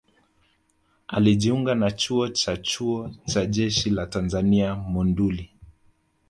Alijiunga na Chuo cha Chuo cha Jeshi la Tanzania Monduli